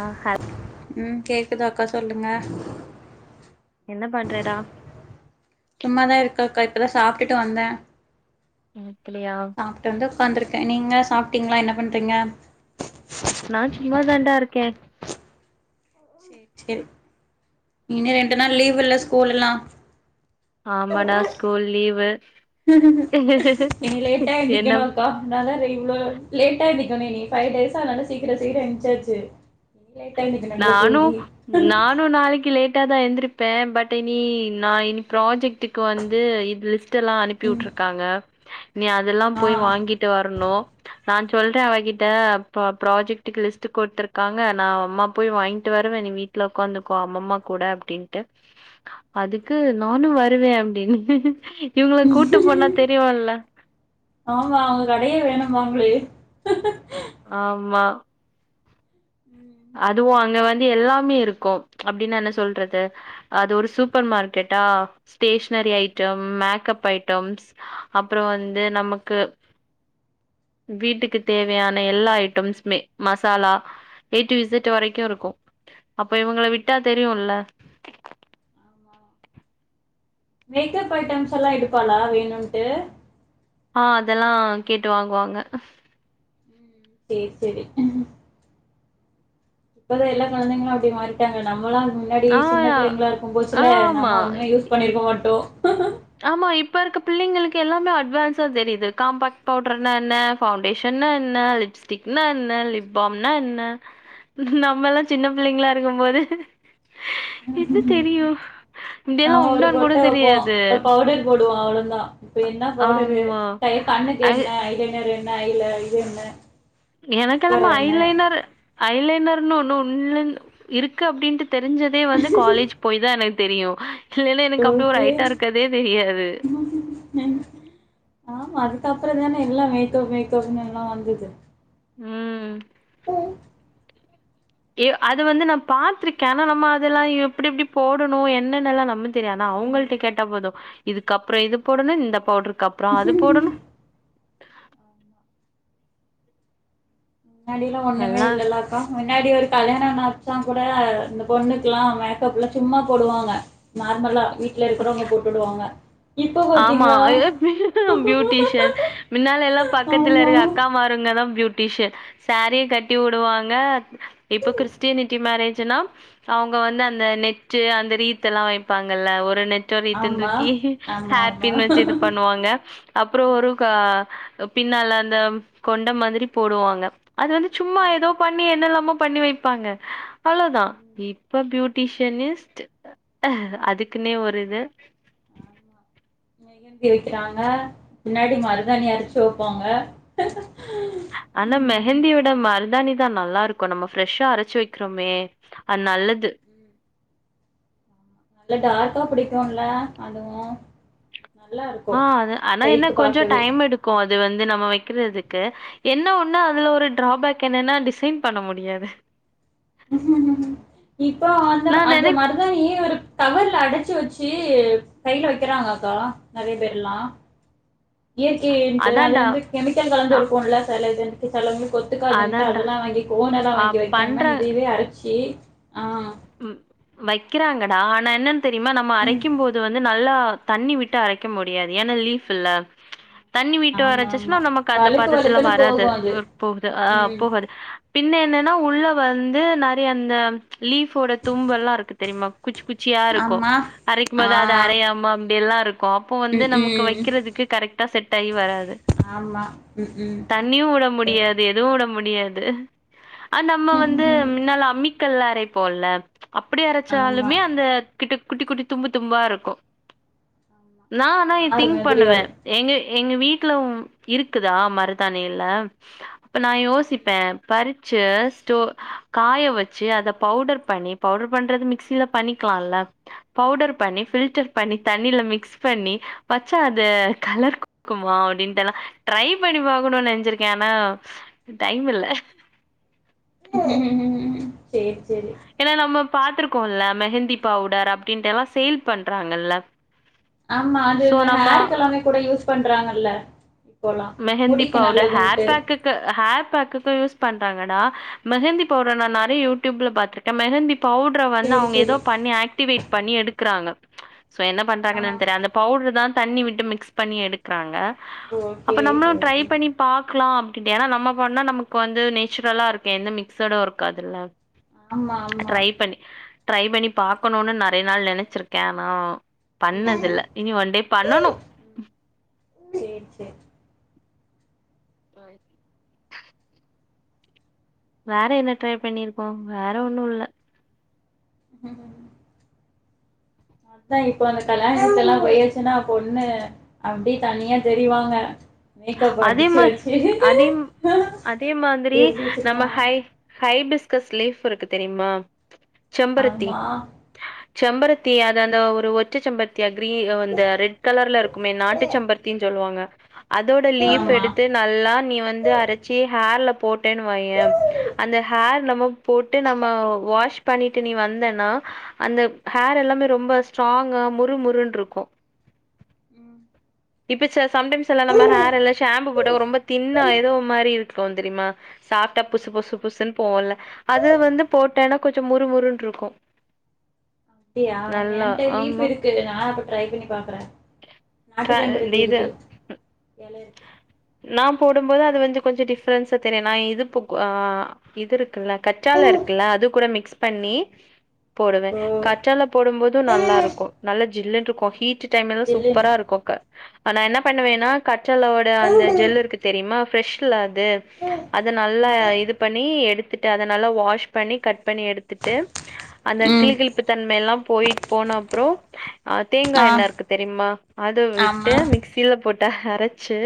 ஆ ஹாப் ம் கேக்குதா க்க சொல்லுங்க என்ன பண்றடா சும்மாதா இருக் தோ கா இப்பதா சாப்டுட்டு வந்தே ம் சாப்டு வந்து உக்காந்துருக் அ நீங்க சாப்டிங்களா என்ன பண்றீங்க நா சும்மா தாண்டா இருக்கே சேரி சேரி இன்ன ரெண்டு நாள் லீவில்ல ஸ்கூல்லுல்லா ஆமாடா ஸ்கூல் லீவு இனி லேட்டா என்ன எந்திக்கணு அக்கா அதனால [unintelligible] இவ்லோ லேட் ஆ எந்திக்கணு நீ பைவ் டேஸ்ஸ அனால சீக்கிர சீக்கிர ஏன்சாச்சு நானு நானு நாளைக்கு லேட் டா தா எந்திரிப்பே பட் இனி நா இனி ப்ராஜெக்டுக்கு வந்து இது ஸ் ட்டுலா அனுப்பி ம் வுட்ருக்காங்க நீ அதெல்லாம் ஆ போய் வாங்கிட்டு வரணு நா சொல்றே அவகிட்ட இப்போ ப்ராஜெக்டுக்கு லிஸ்ட் குடுத்திருக்காங்க நா அம்மா போய் வாங்கிட்டு வருவே நீ வீட்டுல உக்காந்துக்கோ அம்மம்மா கூட அப்டின்ட்டு அதுக்கு நானு வருவே அப்படின்னு இவுங்கள ம் கூட்டு போனா ம் தெரியும்ல ஆமா அவங்க கடையே வேண்டும் வேணும்பாங்களே ஆமா ம் அது எல்லாமே இருக்கு அப்டின்னு என்ன சொல்றது அது ஒரு சூப்பர் மார்க்கெட்டா ஸ்டேஷனரி ஐட்டம் மேக்கப் ஐட்டம்ஸ் அப்புறோ வந்து நமக்கு வீட்டுக்கு தேவையான எல்லா ஐட்டம்ஸ்மே மசாலா எய்டூ இசெட் வரைக்கு இருக்கு அப்போ இவுங்க விட்டா தெரியும்ல ஆமா மேக்கப் ஐட்டம்ஸ் எல்லா எடுப்பாளா வேணும்ட்டு ஆ அதெல்லா கேட்டு வாங்குவாங்க சேரி சேரி இப்பதா எல்லா கொழந்தைங்களு அப்படி மாறிட்டாங்க நம்மளாம் முன்னாடி ஆ சின்ன பிள்ளைங்களா இருக்கு ஆ போச்சுல ஆமா நாம ஒண்ணமே யூஸ் பண்ணிருக்க மாட்டோ ஆ ஆமா இப்ப இருக்க பிள்ளைங்களுக்கு எல்லாமே அட்வான்ஸா தெரிது காம்பாக்ட் பவுடர்னா என்ன பவுண்டேஷன்னா என்ன லிப்ஸ்டிக்னா என்ன லிப் பாம்னா என்ன நம்மல்லா சின்ன பிள்ளைங்களா இருக்கும்போது என்ன தெரியு நம்ம ஒரு பொட்ட வப்போ [unintelligible] பவுடர் போடுவோ அவ்ளொந்தா இப்ப என்ன பவுடரு ஆமா. கை அது கண்ணுக்கென்ன ஐலைனரு ன்ன ஐல இது என்ன மஸ்காரா எனக்கென்னமொ என்ன ஐலைனர் ஐலை னர்னு ஒன்னு உண்னு இருக்கு அப்டின்ட்டு தெரிஞ்சதே வந்து காலேஜ் போய் தா எனக் தெரியு ஓகே ஆ ஆமா அது க்கப்றந்தானே எல்லா மேக்கப் மேக்கப்னு எல்லா வந்தது ம் ம் ஏ அது வந்து நா பாத்துருக்கே ஆனா நம்ம அதெல்லா எப்டி எப்டி போடனு என்னன்னெல்லா நம்மள் தெரி ஆனா ம் அவுங்கள்ட கேட்டா போது இதுக்கப்ற இது போடனு இந்த பவுட்ரு க்கப்றொ அது போடனு முன்னாடிலா முன்னாடிலா ஒன்னுமே எல்லாம் இல்லலா கா முன்னாடி ஒரு கல்யாண [unintelligible] கூட அந்த பொண்ணுக்லா மேக் கப்லா சும்மா போடுவாங்க நார்மலா வீட்ல இருக்குறவுங்க போட்டுடுவாங்க இப்ப ஆமா பாத்தீங்களா பியூட்டிஷியன் மின்னால எல்லா பக்கத்துல ஆமா இருக்க அக்கா மாருங்கதா பியூட்டிஷியன் சாரீயு ம் கட்டி வுடுவாங்க இப்ப கிறிஸ்டினிட்டி மேரேஜுனா அவுங்க வந்து ஆ அந்த நெட் டு அந்த ரீத்தல்லா வைப்பாங்கல்ல ஒரு நெ ட்டு ஆமா ரீத்துந்தூக்கி ஆமா ஹேர் ஆமா பின் வச்சு இது ம் பண்ணுவாங்க அப்றோ ஒரு ம் க பின்னால அந்த கொண்ட மாதிரி போடுவாங்க அது வந்து சும்மா எதோ பண்ணி என்னல்லாமோ பண்ணி வைப்பாங்க அளோதா ம் இப்ப பியூ டிபனிஸ்ட் அதுக்குன்னே ஒரு இது ஆமா மெஹந்தி வைக்குறாங்க முன்னாடி மரு மருதானி அரைச்சு வைப்பாங்க ஆனா ம் மெஹந்தியோட மரு தாணி தா நல்லாருக்கும் நம்ம பிரஷ்ஷா அரைச்சு வைக்கிறோமே ஆமா அது நல்லது ம் நல்லா டார்க்கா புடிக்கும்ல அதுவும் ஆ அது ஆனா என்ன கொஞ்ச டைம் எடுக்கும் அ அது வந்து நம்ம வைக்குறதுக்கு என்ன ஒண்ணு அதுல ஒரு டிராபேக் என்னன்னா டிசைன் பண்ண முடியாது இப்போ அந்த நான் அந்த நெனைப் மருதாணி ஏ ஒரு கவர்ல அடைச்சு வச்சு கைல வைக்கிறாங்க அக்கா நெறைய பேர்லாம் இயற்கையின்ட்டு அது அதான்டா வந்து கெமிக்கல் கலந்து அ இருக்குன்ல செல இது செலது கொத்துக்காதுன்ட்டு அதான்டா அதெல்லா வாங்கி கோன் எல்லா அ வாங்கி வைக்காம பண்றாங்க இதவே அரைச்சி ஆ ம் வக்கிறாங்க தானன் தெரியுமா நம்ம ம் அரைக்கும் போது வந்து நல்லா தண்ணி விட்டு அரைக்க முடியாது ஏன்னா லீப் இல்ல தண்ணி விட்டு ஆமா அரைச்சுன்னா ஆமா நமக்கு அந்த வழுக்கு பதத்துல வழுக்குன்னு வராது போகு அது போகுது ஆ ம் போகாது பின்ன என்னன்னா உள்ள வந்து நெறய அந்த லீஃப் ஓட தும்ப எல்லா இருக்கு தெரியுமா குச்சி குச்சியா இருக்கும் ஆமா அரைக்கும் ஆ போது அது அரையாம அப்டி எல்லாருக்கு கோம் அப்ப வந்து ம் நமக்கு ம் வைக்கிறதுக்கு கரெக் டா செட் ஆயி வராது ஆமா ம் ம் தண்ணியும உட கரெக்ட்டு முடியாது எதுவு உட முடி முடியாது ஆ நம்ம வந்து ம் முன்னால அம்மி கல்லாரை போல்ல அப்டி ஆமா அரைச்சாலுமே அந்த கிட்டு குட்டி குட்டி தும்பு தும்பா இருக்கும் ஆமா நா அனா நார் திங் மாதிரி வரு பண்ணுவேன் எங்க எங்க வீட்ல இருக்குதா மருதானி எல நா யோசிப்பேன் பரி ஜஸ்ட்டு காய வச்சி அத பவுடர் பண்ணி பவுடர் பண்றது மிக்சில பண்ணிக்கலாம்ல்ல பவுடர் பண்ணி பில்டர் பண்ணி தண்ணியில மிக்ஸ் பண்ணி வச்சா அது கலர் குடுக்குமா அப்டின் எல்லா ட்ரை பண்ணி பாக்கணும் நெனசிருக்கேன் ஆனா டைம் இல்ல செரி ஏன்னா நம்ம பாத்திருக்கோம்ல்ல மெஹந்தி பவுடர் அப்டின்ட்டு எல்லா சேல் பண்றாங்கல்ல ஆமா அது சோ இந்த நம்ம ஹேர்க் எல்லாமே கூட யூஸ் பண்றாங்கல்ல இப்போலா மெஹந்தி முடிக்கு பவுடர் ஹேர் நல்லதுன்ட்டு பேக்குக்கு ஹேர் பேக்குக்கு யூஸ் பண்றாங்கடா மெஹந்தி பவுடர் நா நெறைய யூடியூப்ல பாத்திருக்கேன் மெஹந்தி பவுடர வந்து சேரி அவுங்க ஏதோ சேரி பண்ணி ஆக்டிவேட் பண்ணி எடு க்குறாங்க சோ என்ன ஆ பண்றாங்கன்னு தெரில அந்த பவுடர் தா தண்ணி விட்டு மிக்ஸ் பண்ணி எடுக்கிறாங்க அப்ப ஓகே நம்மளும் ட்ரை ஓகே பண்ணி பா இருக்கலா அப்டின்ட்டு ஏன்னா நம்ம பண்ணுனா நமக்கு வந்து நேச்சுரலா இருக்கும் எந்த மிக்சடும் இருக்காதுல்ல ஆமா ஆமா ட்ரை பண்ணி ட்ரை பண்ணி பாக்கணும்னு நெறைய நாள் நெனைச்சிருக்கேன் ஆனா ம் பண்ணதில்ல இனி ஒன் டே பண்ணனும் ம் சேரி [inaudible] வேற என்ன ட்ரை பண்ணிருக்கோம் வேற ஒண்ணும் இல்ல அதான் இப்ப கல்யாணத்துக்கு எல்லாம் பொய்யாச்சுன்னா பொண்ணு அப்டி தனியா தெரிவாங்க மேக்கப் அதே அடிச்சு மா வச்சு அதே அதே மாதிரி எப்டி நம்ம வச்சிருப்பாங்க ஹ ஹைபிஸ்கஸ் லிப் இருக்கு தெரியுமா செம்பருத்தி ஆமா ம் செம்பருத்தி அது அந்த அ ஒரு ஒற்ற செம்பருத்தி கிரீ அந்த ரெட் கலர்ல இருக்குமே நாட்டு செம்பருத்தின்னு சொல்லுவாங்க அது அதோட லீஃப் ஆமா எடுத்து நல்லா நீ வந்து அரைச்சி ஹேர்ல போட்டேன்னு வையேன் அந்த ஹேர் நம்ம போட்டு நம்ம வாஷ் பண்ணிட்டு நீ வந்தன்னா அந்த ஹேர் எல்லாமே ரொம்ப ஸ்ட்ராங்கா முருமுருன்னு இருக்கும் ம் இப்ப செஸ் சம்டைம்ஸ் எல்லா நம்ம ஹேர் எல்லா ஷாம்பு போட்டு ரொம்ப தின்னாயிடு ஏதோ மாரி இருக் கோ தெரியுமா சாப்டா புசு ஆமா புசு புசுன்னு போவும்ல அது வந்து போட்டனா கொஞ் சு முறு முறுனு இருக்கும் அப்புடியா நல்லா என்ட லீஃப் ஆமா இருக்கு நா அப்ப ட்ரை பண்ணி பாக்குறேன் கா இந்த இது இல இருக்கு நா போடும் போது அது வந்து கொஞ்ச டிஃப்ரன்ஸா தெரியு நா இது ஆ இது இருக்குல்ல கற்றால ஆமா. இருக்குல்ல அது கூட மிக்ஸ் பண்ணி போடுவே ஓ கற்றால போடும் போதும் நல்லா இருக்கும் நல்ல ஜில்லுன் இருக் கொஃபி சி டைம்ல ஜில்லுனு சூப்பரா இருக்கும் அப்ப ஆ நா என்ன பண்ணுவேன்னா கற்றாழ ஓட அந்த ம் ஜெல்லு இருக்கு தெரியுமா ஃபிஷ்ல அத் அது அத நல்லா இது பண்ணி எடுத் எடுத்துட்டு அத நல்லா வாஷ் பண்ணி கட் பண்ணி எடுத்துட்டு அந்த ம் கிளி கிளிப்பு தன்மை எல்லா போய் போன அப்றோ ஆ தேங்கா ஆ என்ன இருக்கு தெரியுமா அத ஆமா விட்டு மிக்சில போட் அரைச்சு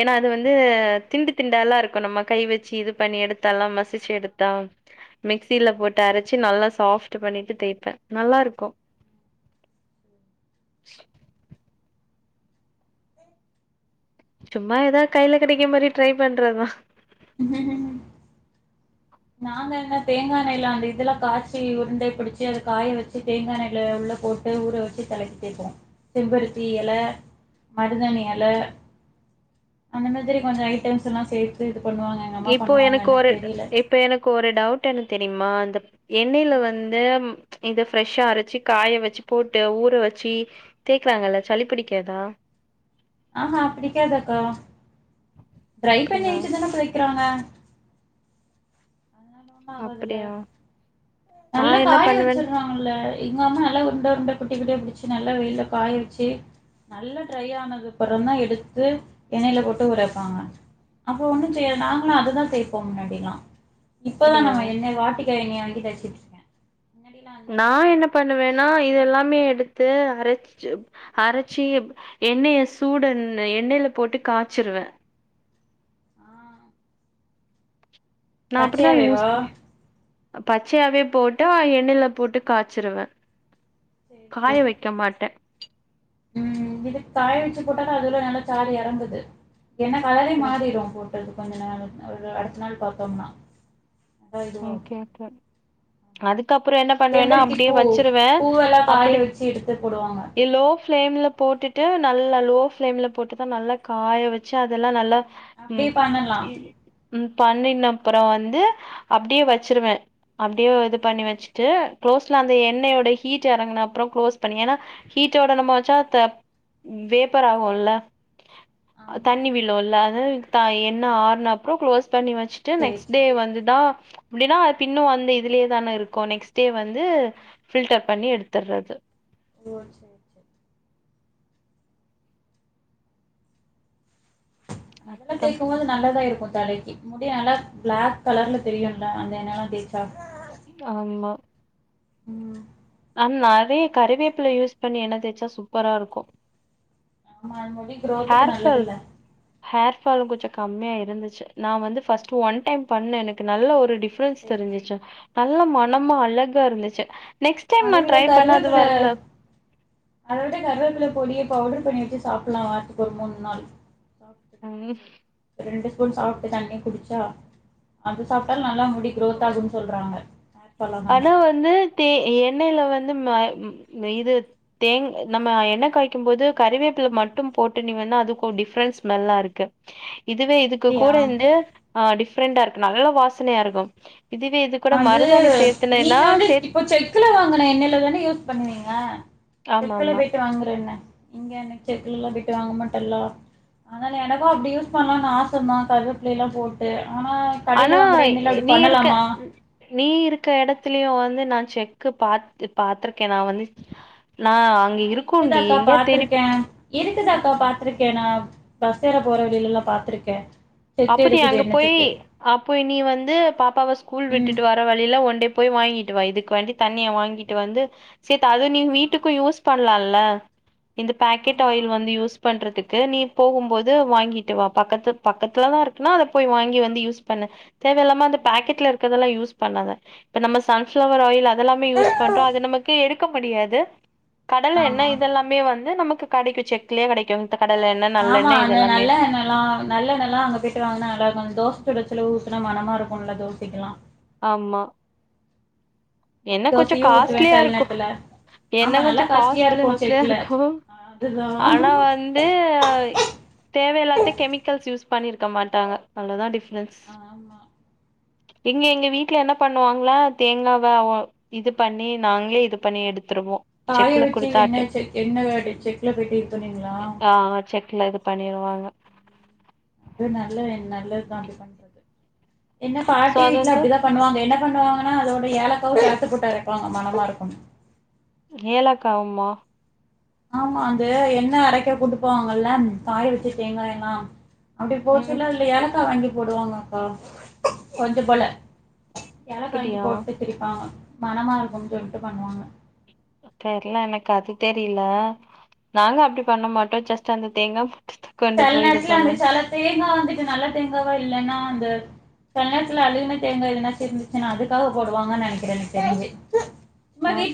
ஏன்னா அது வந்து சரி. திண்டு திண்டாலா இருக்கும் நம்ம கை வச்சு இது பண்ணி எடுத்தெல்லா மசிச்சு ஆமா எடுத்தா மிக்சில போட்டு அரைச்சு நல்லா சாஃப்ட் பண்ணிட்டு தேய்பேன் நல்லாருக்கும் சும்மா ஏதாவுது கையில கெடைக்க மாரி ட்ரை பண்றதுதா உஹ நாங்க என்ன தேங்கா எண்ணெய்ல அந்த இதெல்லா காய்ச்சி உருண்டை புடிச்சு அது காய வச்சு தேங்கா எண்ணெய்ல உள்ள போட்டு ஊற வச்சு தலைக்கு தேப்போம் செம்பருத்தி இலை மருதாணி இலை அந்த மாதிரி கொஞ்ச கேன் எல்லா சேத்து இது பண்ணுவாங்க எங்க அம்மா பண்ணுவாங்க எனக்கு தெரியல கு ஒரு டவுட் என்ன தெரியுமா அந்த எண்ணெல ம். வந்து இந்த ஃப்ரெஷ்ஷா அரைச்சு காய வச்சு போட்டு ஊற வச்சி தேய்குறாங்கல சளி பிடிக்காதா ஆ ஹா பிடிக்காது அக்கா டரை பண்ணி அப்டியா வச்சு தான வைக்கிறாங்க அதுல்லா ஒண்ணு ஆகாதுல அப்படியா நா நல்ல என்ன காய பண்ணுவேன் வச்சிருறாங்கல்ல எங்க அம்மா நல்லா உருண்ட உருண்ட குட்டி குட்டியா பிடிச்சி நல்லா வெயில்ல காய வச்சி நல்லா ட்ரை ஆனது அப்புறோ தா எடுத்து எண்ணெயில போட்டு ஊற வப்பாங்க அப்புறோ ஒண்ணு செய்யாது நாங்களு அதுதா தோய்ப்போ முன்னாடிலா இப்பதா அப்படியா நம்ம எண்ணெய் வாட்டி [unintelligible] நா என்ன பண்ணுவேன்னா இத இருக்கும்போது எல்லாமே எடுத்து அரைச்சி அரைச்சி எப் எண்ணெய சூடுனு எண்ணெயில போட்டு காய்ச்சிருவே ஆ நா அப்பிடிதா யூஸ் பச்சையாவேவா பச்சையாவே போட்டு ஆ எண்ணெயில போட்டு காய்ச்சிருவே சேரி காய சேரி வைக்கமாட்டே ம் இது காய வச்சி போட்டாதா அதுல நல்லா சாறு இறங்குது ஏன்னா கலரே மாறிடு போட்டது கொஞ்ச நாள் ஒரு அடுத்த நாள் பாத்தோம்னா அதா ம் இதுவாகு கேக்கே அதுக் கப்புறோ என்ன பண்ணேன்னா செம்பருத்தி அப்பிடியே பூ வச்சிருவே பூவெல்லா காய அப்பிடியே வச்சு எடுத்து போடுவாங்க ஏ லோ பிளேம்ல போட்டுட் ட்டு நல்லா லோ ஃப்ளேமில போட்டுதா நல்லா காய வச்சி அதெல்லா நல்லா ம் அப்பிடியே பண்ணலா இ- ம் பண்ணின் அப்புறோ வந்து அப்பிடியே வச்சிருவே அப்பிடியே இது பண்ணி வச்சிட்டு க்ளோஸ்ல அந்த எண்ணெயோட ஹீட் இறங்கின அப்புறோ க்ளோஸ் பண்ணி ஏன்னா ஹீட்டோட நம்ம வச்சா த வேப்பர் ஆகுல்ல ஆமா தண்ணி விழு இல்ல அது தா ஆ எண்ணெய ஆறன அப்புறோ க்ளோஸ் பண்ணி வச்சிட்டு சேரி நெக்ஸ்ட் டே சேரி வந்துதா ப்பிடின்னா தின்னு வந்து இதுலியே தான இருக்கு நெக்ஸ் டே வந்து பில்டர் பண்ணி எடுத்தடுறது ஓ சேரி சேரி அதெல்லா மொத்தம் தேய்க்குபோது நல்லதா இருக் புத்தடைக்கு முடி நல்லா பிளாக் கலர்ல தெரியுல்ல அந்த எண்ணெல்லா தேச்சா ஆமா ம் நெறைய கறிவேப்பல யூஸ் பண்ணி எண்ணெ தேச்சா சூப்பரா இருக்கு மா முடி குரோத்துக்கு ஹேர் நல்லது ஃபால் இல்ல ஹேர் ஃபாலு கொஞ்சோ கம்மியா இருந்துச்சி நா வந்து பர்ஸ்ட் ஒன் டைம் பண்ண எனக்கு நல்ல ஒரு டிப் டிஃபரன்ஸ் சேரி சேரி தெரிஞ்சிச்சா நல்ல ம் மனமா அழகா இருந்துச் நெக் ஸ்ட் அத விட கருவப்பில்ல அத விட கருவப்பில்ல பொடிய பவுடர் பண்ணிவச்சு சாப்புல்லா வாரத்துக்கு ஒரு மூணு நாள் ம். ரெண்டுஸ் இதும் சாப்ட்டு தண்ணி குடிச்சா அது சாப்டாலு நல்லா முடி க்ரோத் ஆகுன்னு சொல்றாங்க ஃபால் ஆகாம அதுவு வந்து தே எண் எண்ணெல வந்து ம இது தேங் நம்ம எண்ண காய்கும் போது கறிவேப்ல மட்டும் போட்டு நீ வேணா அதுக்கு டிஃப்ரென்ஸ் ஸ்மெல்லாருக்கு இதுவே இதுக்கு அப்டியா கூட வந்து டிஃப் பிரெண்டா இருக்கு நல்லா வாசனையாருக்கும் இதுவே இது கூட அது மருதாணி சேத் நீங்க வந்து இப்ப செக்குல வாங்கன எண்ணெயில தான யூஸ் பண்ணுவீங்க ஆமா செக்கல ஆமா போய்ட்டு வாங்ற எண்ண இங்க எனக் செக்குலெல்லா போய்ட்டு வாங்க மாட்டல்லா ஆனா எனக்கும் அப்டி யூஸ் பண்ணலானு ஆச சுத்தமா கருவப்பில்லேலா போட் ட ஆனா ஏ நீ இருக்க நீ இருக்க எடத்துலயு வந்து நா செக்கு பாத் பாத்திருக்கே நா வந்து நா அங்க நா இருக்கும்ண்டி இருக்குதக்கா எங்கயா பாத்திருக்க இருக்குதக்கா தேடி பாத்திருக்க நா பஸ் ஏற போற வழிலெல்லா பாத்துருக்க அப்போ நீ அங்க போயி அப்போ நீ வந்து பாப்பாவ ஸ்கூல் ம். விட்டுட்டு வர வழில ஒன்டே போய் வாங்கிட்டு வா இதுக் வண்டி தண்ணியா வாங்கிட்டு வந்து சேத் ஆ இந்த பக்கெட் ஆமா. ஆயில் வந்து யூஸ் பண்றதுக் கு நீ போகும்போது வாங்கிட்டு வா பக்கத்து பக்கத் தோதா இருக்குன்னா அத போய் வாங்கி வந்து யூஸ் பண்ணு தேவயில்லாம அந்த ம். பக்கெட்ல இருக்றதெல்லா யூஸ் பண்ணாத இப்ப நம்ம சன்ஃப்ளவர் ஆயில் அத் தெல்லாமே யூஸ் பண்ற அது நமக்கு இருக் க முடியாது கடல எண்ண ஆமா. இதெல்லாமே வந்து நமக் ப்பு கடைக்கும் செக்லே கடைக் ஆமா அந்த நல்ல எண்ணெலா நல்லெண்ணலா அங்க போய் சு வாங்குனாநல்லா இருக்கு தோசைச்சுட ச்சுல ஊத்துனா மனமா இருக்கும்ல தோசைக்குலா ஆமா என்ன நெய் கொஞ்சோ தோசையும் ஊத்துவேன் காஸ்ட்லியா சில இருக்கு நேரத்துல. என்ன ஆமா நல்லா கொஞ்சம் காஸ்ட்லியா காஸ்ட்ல இருக்கும் காச்ட்லியா செக்குல. இருக்கு ஆனா அதுதான். வந்து தேவையிலாத்த கெமிக்கல்ஸ் யூஸ் பண்ணிருக்க மாட்டாங்க அவ்ளதா டிஃப்ரென்ஸ் ஆமா. இங்க எங்க வீட்டு்ல என்ன பண்ணுவாங்களா தேங்காவ இது பண்ணி நாங்களே இது பண்ணி எடுத் காய வச்சு என்ன செக் என்ன செக்ல போயட்டு இது பன்னீங்களா ஆ செக்ல இது பண்ணிருவாங்க அது நல்ல என் நல்லதுதா அது பண்றது என்ன சோ பாட்டி அது வீட்டுல வந்து அப்டிதா பண்ணுவாங்க என்ன பண்ணுவாங்கன்னா அதோட ஏழ சேத்து பொட்டு அறைப்பாங்க மணமா இருக்கு ஏலக்கா வுமா ஆமா அது என்ன அரைக்க குடுப்பாங்கல்ல காய வச்சு தேங்காய எல்லா அப்டி ம் போச்சுல்ல அதுல ஏலக்கா வாங்கி போடுவாங்க அக்கா கொஞ்சோ போல ஏலக்கா வாங்கி அப்டியா போட்டு திரிப்பா மனமா இருக்கும்னு சொல்லிட்டு பண்ணுவாங்க தெர்ல எனக்கு அது தெரில நாங்க அப்டி பண்ண மாட்டோ ஜஸ்ட் அந்த தேங்கா பூ செல நேரத்துல வந்து செல தேங்கா வந்துட்டு நல்லா தேங்காவா இல்லைன்னா அந்த செல்நேரத்துல அழுகுன தேங்காய் எதுனா தெருஞ்ச்சுன்னா அதுக்காக போடுவாங்கு நனைக்கிறே எனக்கு தெரிஞ்சி நம்ப வீட்டு